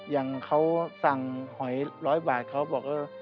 อย่างเขาสั่งหอย๑๐๐บาทเขาบอกว่า